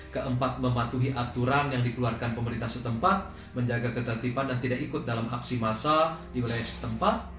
keempat mematuhi aturan yang dikeluarkan pemerintah setempat menjaga ketertiban dan tidak ikut dalam aksi massa di wilayah setempat